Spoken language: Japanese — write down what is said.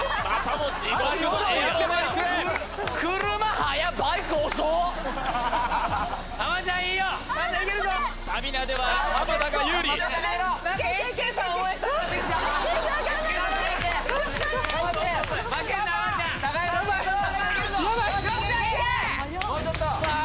もうちょっとさあ